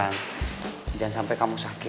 jangan sampai kamu sakit